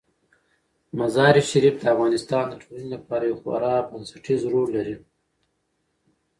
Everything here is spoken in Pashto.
مزارشریف د افغانستان د ټولنې لپاره یو خورا بنسټيز رول لري.